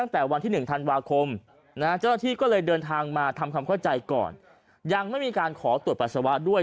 ทำคำเข้าใจก่อนยังไม่มีการขอตรวจปัสสาวะด้วย